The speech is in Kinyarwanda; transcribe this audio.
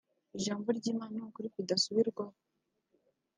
Ijambo ry’Imana ni ukuri kudasubirwaho